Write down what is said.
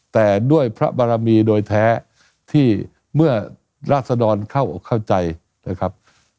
แต่ด้วยพระบารมีโดยแท้ที่เมื่อราศดรเข้าอกเข้าใจนะครับ